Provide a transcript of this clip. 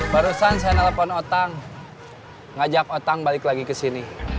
barusan saya nelfon otang ngajak otang balik lagi kesini